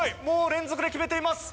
連続で決めています。